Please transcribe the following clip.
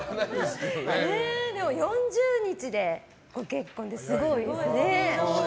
４０日でご結婚ってすごいですね。